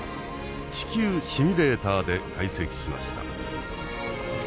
地球シミュレータで解析しました。